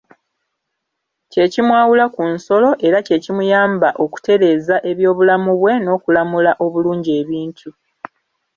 Kye kimwawula ku nsolo, era kye kimuyamba okutereeza eby'obulamu bwe, n'okulamula obulungi ebintu.